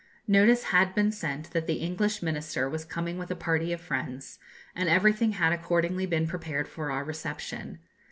Notice had been sent that the English Minister was coming with a party of friends, and everything had accordingly been prepared for our reception.